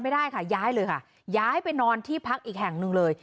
ไม่ได้ค่ะย้ายเลยค่ะย้ายไปนอนที่พักอีกแห่งหนึ่งเลย